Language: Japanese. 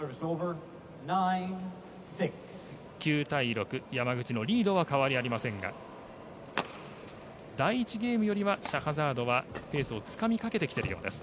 ９対６、山口のリードは変わりありませんが第１ゲームよりはシャハザードはペースをつかみかけてきているようです。